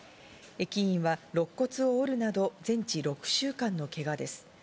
駅員は肋骨を折るなど全治６週間のけがです。